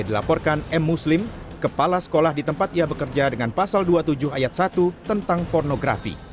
dilaporkan m muslim kepala sekolah di tempat ia bekerja dengan pasal dua puluh tujuh ayat satu tentang pornografi